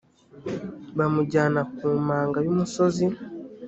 bamujyana ku manga y umusozi